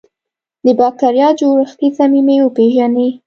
د بکټریا جوړښتي ضمیمې وپیژني.